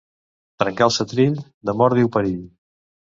Trencar el setrill, de mort diu perill.